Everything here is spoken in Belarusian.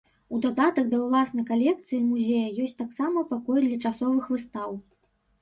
У дадатак да ўласнай калекцыі музея ёсць таксама пакой для часовых выстаў.